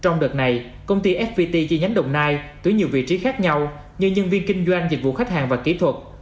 trong đợt này công ty fpt di nhánh đồng nai tuy nhiên nhiều vị trí khác nhau như nhân viên kinh doanh dịch vụ khách hàng và kỹ thuật